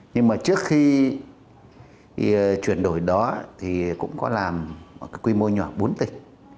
nhưng mà trước khi chuyển đổi đó thì cũng có làm cái quy mô nhỏ bốn tịch